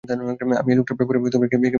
আমি এই লোকটার ব্যবহারে একেবারে অবাক হয়ে গেছি।